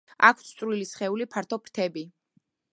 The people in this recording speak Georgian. აქვთ წვრილი სხეული, ფართო ფრთები.